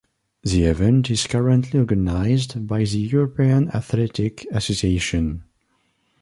The event is currently organized by the European Athletic Association.